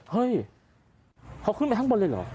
เฮ้ยเขาขึ้นไปข้างบนเลยเหรอ